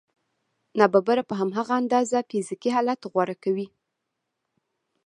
ناببره په هماغه اندازه فزيکي حالت غوره کوي.